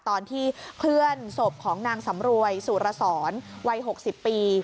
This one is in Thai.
ตอนที่เคลื่อนศพของนางสำรวยสุรสรวัย๖๐ปี